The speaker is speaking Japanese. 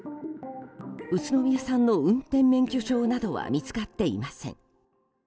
宇都宮さんの運転免許証などは見つかっていません。